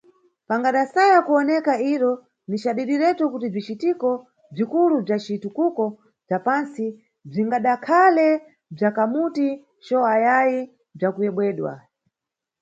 Pangadasaya kuwoneka iro, ni cadidiretu, kuti bzicitiko bzikulu bza citukuko bza pantsi bzingadakhale bza kamuti cho ayayi bzakuyebwedwa.